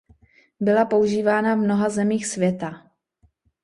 Byla používána v mnoha zemích světa.